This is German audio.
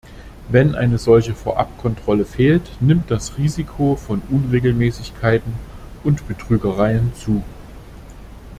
Wenn eine solche Vorabkontrolle fehlt, nimmt das Risiko von Unregelmäßigkeiten und Betrügereien zu.